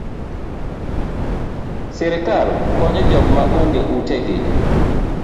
Sirkal konyo jok ma onge ute gi